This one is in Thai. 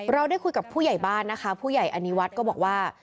เราได้คุยกับผู้ใหญ่บ้านนะคะผู้ใหญ่อนิวัฒน์ก็บอกว่า